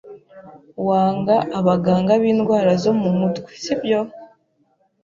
Wanga abaganga b'indwara zo mu mutwe, sibyo?